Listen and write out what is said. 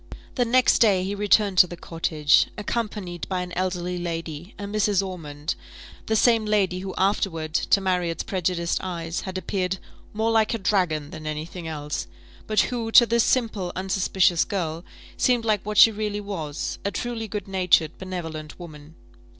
The next day he returned to the cottage, accompanied by an elderly lady, a Mrs. Ormond; the same lady who afterward, to Marriott's prejudiced eyes, had appeared more like a dragon than any thing else, but who, to this simple, unsuspicious girl, seemed like what she really was, a truly good natured, benevolent woman.